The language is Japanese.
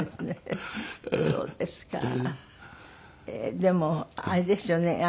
でもあれですよね。